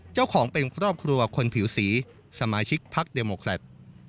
เจ้าของเป็นครอบครัวคนผิวสีสมาชิกพักเดโมแครต